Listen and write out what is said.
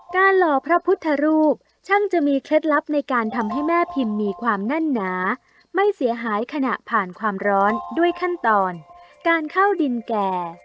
หล่อพระพุทธรูปช่างจะมีเคล็ดลับในการทำให้แม่พิมพ์มีความแน่นหนาไม่เสียหายขณะผ่านความร้อนด้วยขั้นตอนการเข้าดินแก่